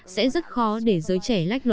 sẽ rất khó để giới trẻ